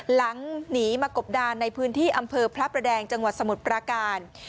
หนีมากบดานในพื้นที่อำเภอพระประแดงจังหวัดสมุทรปราการ